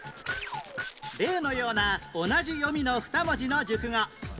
例のような同じ読みの２文字の熟語